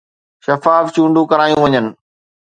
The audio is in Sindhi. شفاف چونڊون ڪرايون وڃن